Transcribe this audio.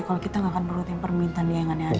kalo kita gak akan urutin permintaan dia yang aneh aneh